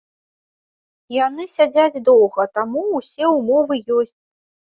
Яны сядзяць доўга, таму ўсе ўмовы ёсць.